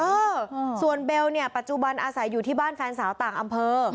เออส่วนเบลเนี่ยปัจจุบันอาศัยอยู่ที่บ้านแฟนสาวต่างอำเภอ